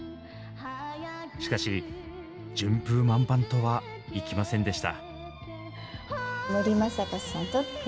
しかし順風満帆とはいきませんでした。